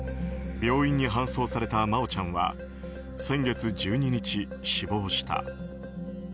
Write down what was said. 病院に搬送された真愛ちゃんは先月１２日、死亡した。